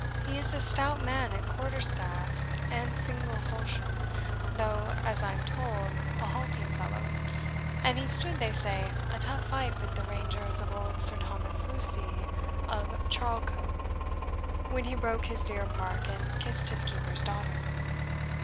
He is a stout man at quarter staff, and single falchion, though, as I am told, a halting fellow; and he stood, they say, a tough fight with the rangers of old Sir Thomas Lucy of Charlecot, when he broke his deer park and kissed his keeper's daughter."